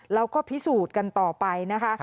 แล้วก็พิสูจน์กันต่อไปนะคะ